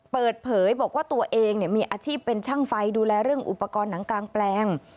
เปิดเผยบอกว่าตัวเองมีอาชีพเป็นช่างไฟดูแลเรื่องอุปกรณ์หนังกลางแปลง